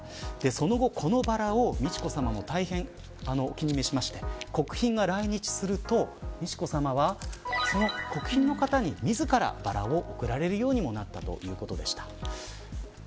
その後、このバラを美智子さまも大変お気に召しまして国賓が来日すると、美智子さまはその国賓の方に自らバラを贈られるようにもなったということでした。